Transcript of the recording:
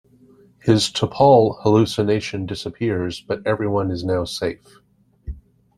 His T'Pol hallucination disappears, but everyone is now safe.